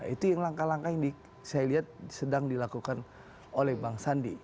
itu yang langkah langkah yang saya lihat sedang dilakukan oleh bang sandi